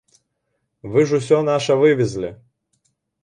Вы ж усё наша вывезлі.